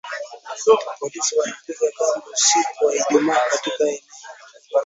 Polisi walipiga kambi usiku wa Ijumaa katika eneo